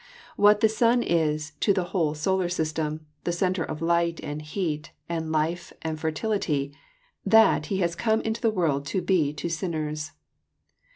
What the sun is to the whole solar system — the centre of light, and heat, and life, and fertility — that He has come into the world to be to sinners.